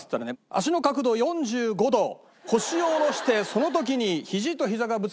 足の角度４５度腰を下ろしてその時にひじとひざがぶつからないように。